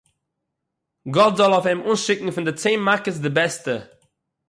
גאָט זאָל אױף אים אָנשיקן פֿון די צען מכּות די בעסטע.